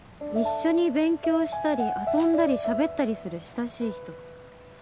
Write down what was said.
一緒に勉強したり遊んだりしゃべったりする親しい人